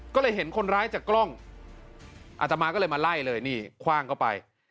ก็เลยเห็นคนร้ายจากกล้องอาตมาก็เลยมาไล่เลยนี่คว่างเข้าไป